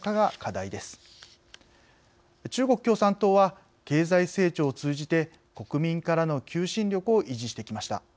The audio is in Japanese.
中国共産党は経済成長を通じて国民からの求心力を維持してきました。